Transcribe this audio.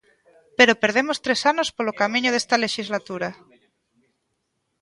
Pero perdemos tres anos polo camiño desta lexislatura.